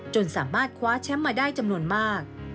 จนสามารถคว้าแชมป์มาได้จำนวนมาก